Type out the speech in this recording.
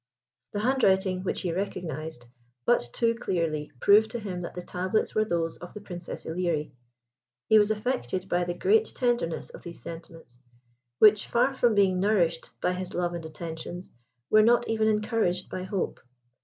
The handwriting, which he recognised, but too clearly proved to him that the tablets were those of the Princess Ilerie. He was affected by the great tenderness of these sentiments, which far from being nourished by his love and attentions, were not even encouraged by hope.